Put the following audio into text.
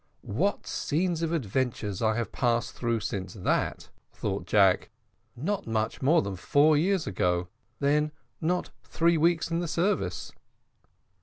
"What scenes of adventure I have passed through since that," thought Jack; "not much more than four years ago, then not three weeks in the service."